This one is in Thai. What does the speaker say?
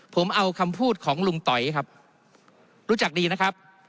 ผมเอาคำพูดของลุงต๋อยครับรู้จักดีนะครับ